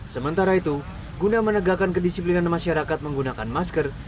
sementara itu guna menegakkan kedisiplinan masyarakat menggunakan masker